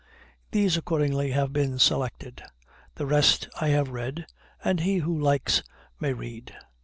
These accordingly have been selected; the rest I have read, and he who likes may read.